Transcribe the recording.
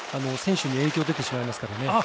選手に影響が出てしまいますからね。